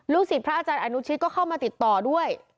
ศิษย์พระอาจารย์อนุชิตก็เข้ามาติดต่อด้วย